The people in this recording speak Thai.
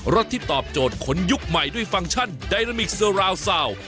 รถที่ตอบโจทย์คนยุคใหม่ด้วยฟังก์ชันดายนามิกเซอราวซาวน์